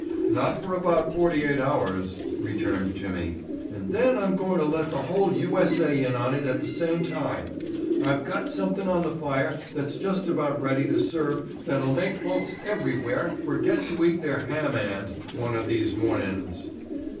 "Not for about forty eight hours," returned Jimmy, "and then I'm goin' to let the whole U.S.A. in on it at the same time. I've got somethin' on the fire that's just about ready to serve that'll make folks everywhere forget to eat their 'ham and' one of these mornin's."